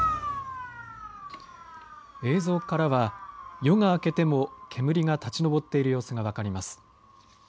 映像からは夜が明けても煙が立ち上っている様子が分かります。